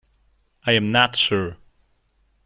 I am not sure.